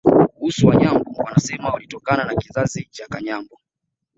Kuhusu Wanyambo wanasema walitokana na kizazi cha Kanyambo